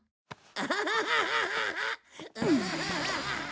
アハハハ。